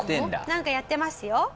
なんかやってますよ。